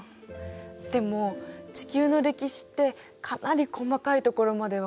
でも地球の歴史ってかなり細かいところまでわかってるんでしょ。